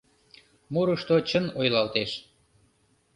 Мурышто чын ойлалтеш.